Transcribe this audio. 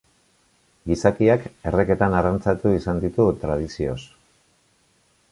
Gizakiak erreketan arrantzatu izan ditu tradizioz.